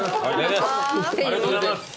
ありがとうございます。